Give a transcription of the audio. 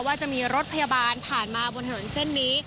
ว่าจะมีรถพยาบาลผ่านมาบนถนนเส้นนี้